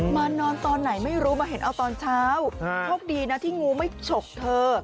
นอนตอนไหนไม่รู้มาเห็นเอาตอนเช้าโชคดีนะที่งูไม่ฉกเธอ